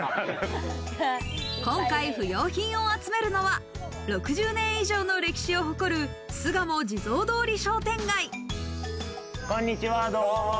今回、不用品を集めるのは、６０年以上の歴史を誇る巣鴨地蔵通り商店街。